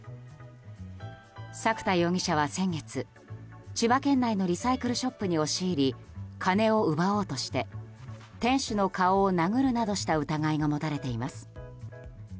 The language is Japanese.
作田容疑者は先月千葉県内のリサイクルショップに押し入り金を奪おうとして店主の顔を殴るなどした疑いが持たれています。